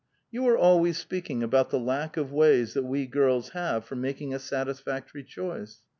*' You are always speaking about the lack of ways that we girls have for making a satisfactory choice.